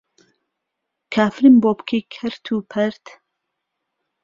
کافرم بۆ بکەی کهرت و پەرت